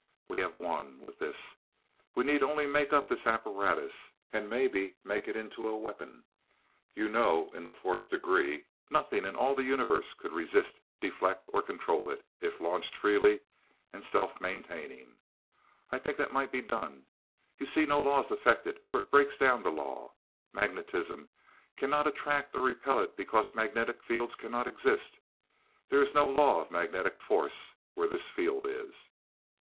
"We have won, with this. We need only make up this apparatus and maybe make it into a weapon. You know, in the Fourth Degree, nothing in all the Universe could resist, deflect, or control it, if launched freely, and self maintaining. I think that might be done. You see, no law affects it, for it breaks down the law. Magnetism cannot attract or repel it because magnetic fields cannot exist; there is no law of magnetic force, where this field is.